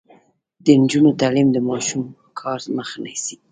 د نجونو تعلیم د ماشوم کار مخه نیسي.